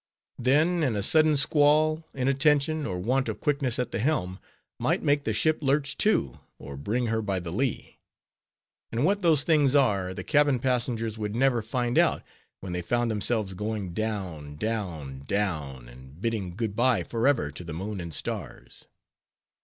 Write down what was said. Then, in a sudden squall, inattention, or want of quickness at the helm, might make the ship "lurch to"—or "bring her by the lee." And what those things are, the cabin passengers would never find out, when they found themselves going down, down, down, and bidding good by forever to the moon and stars.